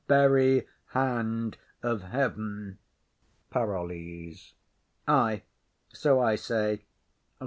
Very hand of heaven. PAROLLES. Ay, so I say.